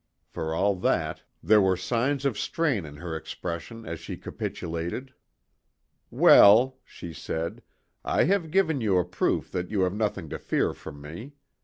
For all that, there were signs of strain in her expression as she capitulated. "Well," she said, "I have given you a proof that you have nothing to fear from me.